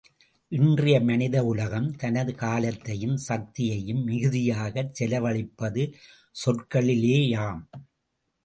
இன்றைய மனித உலகம் தனது காலத்தையும் சக்தியையும் மிகுதியாகச் செலவழிப்பது சொற்களிலேயாம்!